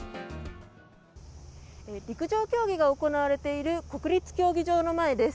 陸上競技が行われている国立競技場の前です。